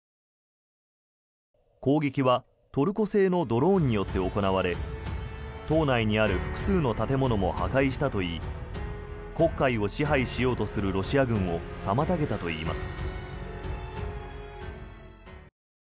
攻撃はトルコ製のドローンによって行われ島内にある複数の建物も破壊したといい黒海を支配しようとするロシア軍を妨げたといいます。